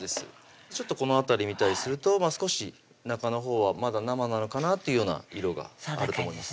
ちょっとこの辺り見たりすると少し中のほうはまだ生なのかなっていうような色があると思います